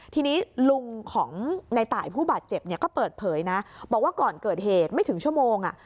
ทีนี้ลุงของในตายผู้บาดเจ็บเนี่ยก็เปิดเผยนะบอกว่าก่อนเกิดเหตุไม่ถึงชั่วโมง